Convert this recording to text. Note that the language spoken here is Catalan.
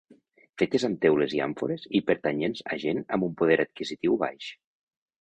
Fetes amb teules i àmfores i pertanyents a gent amb un poder adquisitiu baix.